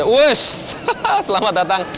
wesss selamat datang